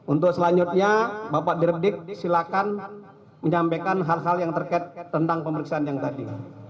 untuk selanjutnya bapak direpdik silakan menyampaikan hal hal yang terkait tentang pemeriksaan yang tadi